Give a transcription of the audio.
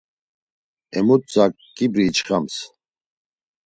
Emutzak ǩibri içxams.